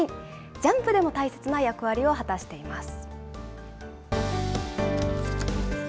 ジャンプでも大切な役割を果たしています。